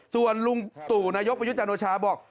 ส่วนลุงตู่นายกประยุจราโชชาบอก